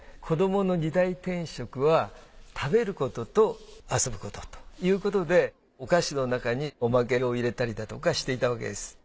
子どもの二大天職は食べることと遊ぶことということでお菓子の中におまけを入れたりだとかしていたわけです。